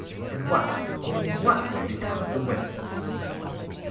and what oh! what would become of the women?